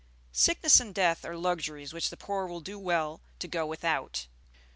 Sickness and death are luxuries which the poor will do well to go without.